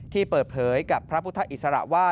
ที่เปิดเผยกับพระพุทธอิสระว่า